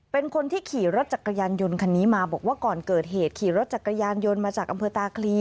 เป็นคนที่ขี่รถจักรยานยนต์คันนี้มาบอกว่าก่อนเกิดเหตุขี่รถจักรยานยนต์มาจากอำเภอตาคลี